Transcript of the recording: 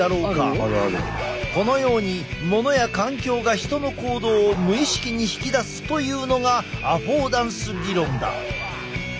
このように物や環境が人の行動を無意識に引き出すというのがアフォーダンス理論だ。